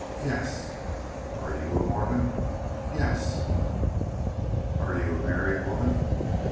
"Yes." "Are you a Mormon?" "Yes." "Are you a married woman?"